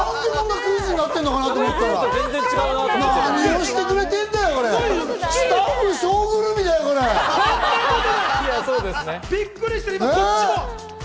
急に何でこんなクイズになっているのかなと思ったら、何をしてくれてるんだよ、スタッフ！